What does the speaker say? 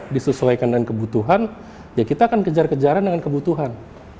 disesuaikan dengan kebutuhan ya kita akan kejar kejaran dengan kebutuhan